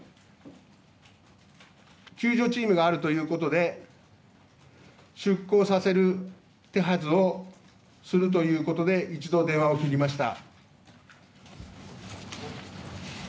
救助チームがあるということで出航させる手はずをするということで一度、電話を切りました。